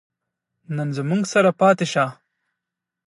نن زموږ سره پاتې شه